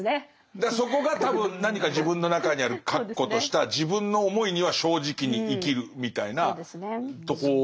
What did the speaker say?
だからそこが多分何か自分の中にある確固とした自分の思いには正直に生きるみたいなとこなんでしょうね。